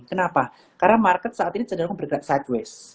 kenapa karena market saat ini cenderung bergerak sideways